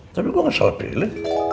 tapi gua gak asal pilih